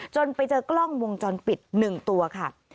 ไปเจอกล้องวงจรปิด๑ตัวค่ะ